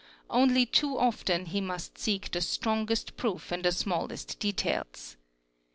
Only too often he must seek the — strongest proof in the smallest details.